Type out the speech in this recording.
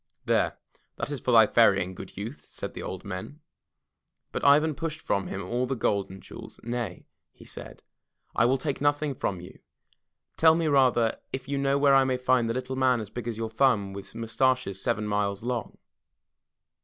"There, that is for thy ferrying, good youth, '* said the old men. But Ivan pushed from him all the gold and jewels. "Nay,*' he said, I will take nothing from you. Tell me, rather, if you know where I may find the Little Man As Big As Your Thumb With Mustaches Seven Miles Long."